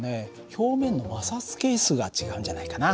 表面の摩擦係数が違うんじゃないかな。